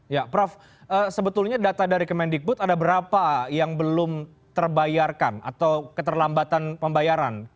ya prof sebetulnya data dari kemendikbud ada berapa yang belum terbayarkan atau keterlambatan pembayaran